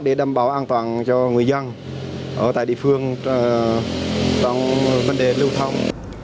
để đảm bảo an toàn cho người dân ở tại địa phương trong vấn đề lưu thông